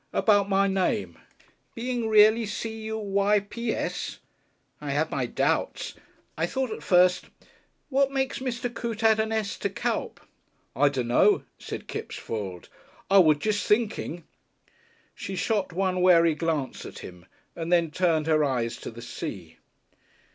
"About my name?" "Being really C U Y P S? I have my doubts. I thought at first . What makes Mr. Coote add an S to Cuyp?" "I dunno," said Kipps, foiled. "I was jest thinking " She shot one wary glance at him and then turned her eyes to the sea.